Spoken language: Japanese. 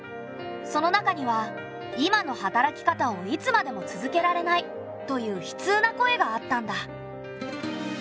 その中には「今の働き方をいつまでも続けられない」という悲痛な声があったんだ。